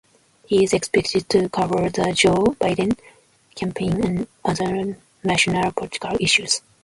He is expected to cover the Joe Biden campaign and other national political issues.